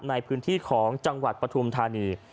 ในพื้นที่ของจังหวัดปฐุมธานี